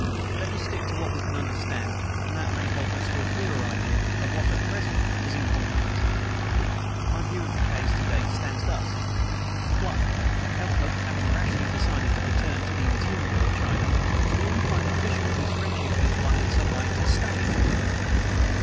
"Let us stick to what we can understand, and that may help us to a clearer idea of what, at present, is incomprehensible. My view of the case to date stands thus: "(1) Eltham, having rashly decided to return to the interior of China, is warned by an official whose friendship he has won in some way to stay in England.